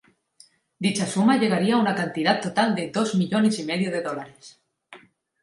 Dicha suma llegaría a una cantidad total de dos millones y medio de dólares.